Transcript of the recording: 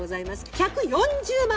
１４０万。